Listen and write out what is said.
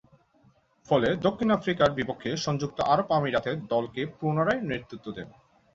ফলে দক্ষিণ আফ্রিকার বিপক্ষে সংযুক্ত আরব আমিরাতে দলকে পুনরায় নেতৃত্ব দেন।